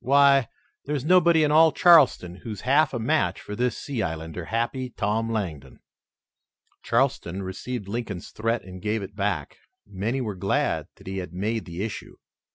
"Why, there's nobody in all Charleston who's half a match for this sea islander, Happy Tom Langdon." Charleston received Lincoln's threat and gave it back. Many were glad that he had made the issue.